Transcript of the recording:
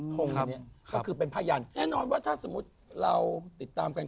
ทงอันนี้ก็คือเป็นพยานแน่นอนว่าถ้าสมมุติเราติดตามกัน